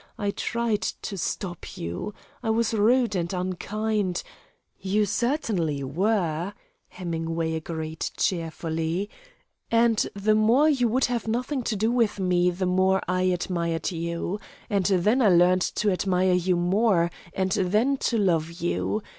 I tried to stop you. I was rude and unkind " "You certainly were," Hemingway agreed cheerfully. "And the more you would have nothing to do with me, the more I admired you. And then I learned to admire you more, and then to love you.